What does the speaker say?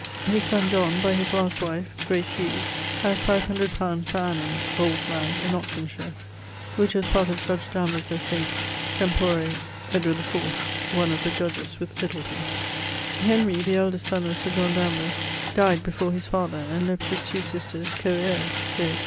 His son, John, by his last wife ( Hughes), has 500 li. per annum (old land) in Oxonshire, which was part of judge Danvers' estate tempore Edwardi IV, one of the judges with Litleton. Henry, the eldest son of Sir John Danvers, dyed before his father, and left his two sisters co heires, viz.